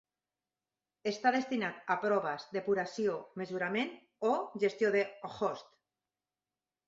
Està destinat a proves, depuració, mesurament o gestió de host.